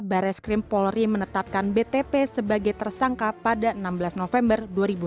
bares krim polri menetapkan btp sebagai tersangka pada enam belas november dua ribu enam belas